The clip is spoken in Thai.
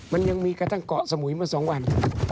มันยังมีกระทั่งเกาะสมุยมา๒วัน